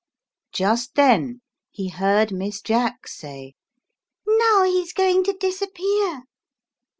Just then he heard Miss Jack say, "Now he's going to disappear."